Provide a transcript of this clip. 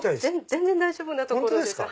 全然大丈夫なところです。